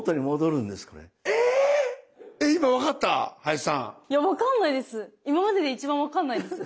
いや分かんないです！